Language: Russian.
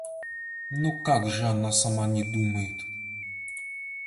Но как же она сама не думает?